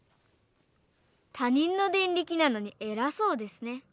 他人のデンリキなのにえらそうですね。